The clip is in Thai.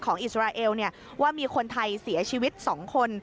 ของอิสราเอวเนี่ยว่ามีคนไทยเสียชีวิต๒คน